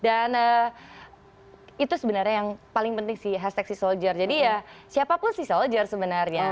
dan itu sebenarnya yang paling penting sih hashtag sea soldier jadi ya siapapun sea soldier sebenarnya